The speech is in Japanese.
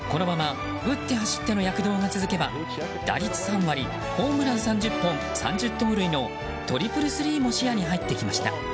このまま打って走っての躍動が続けば打率３割、ホームラン３０本３０盗塁のトリプルスリーも視野に入ってきました。